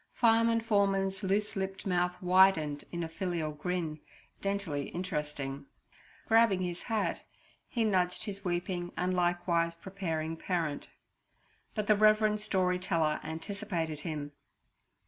Fireman Foreman's loose lipped mouth widened in a filial grin, dentally interesting. Grabbing his hat, he nudged his weeping and likewise preparing parent; but the reverend story teller anticipated him.